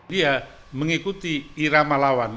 dia mengikuti irama lawan